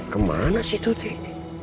kemana sih itu dek